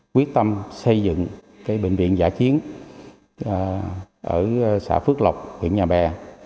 quyết tâm xây dựng bệnh viện giả chiến ở xã phước lộc huyện nhà bè